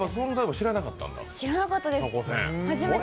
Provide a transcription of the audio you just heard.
知らなかったです、初めて。